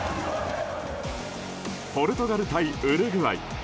ポルトガル対ウルグアイ。